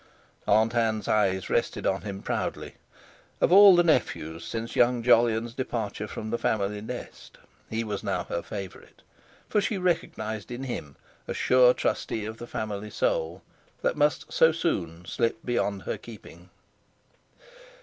Aunt Ann's eyes rested on him proudly; of all the nephews since young Jolyon's departure from the family nest, he was now her favourite, for she recognised in him a sure trustee of the family soul that must so soon slip beyond her keeping.